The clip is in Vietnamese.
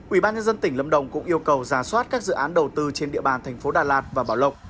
ubnd tỉnh lâm đồng cũng yêu cầu giả soát các dự án đầu tư trên địa bàn tp đà lạt và bảo lộc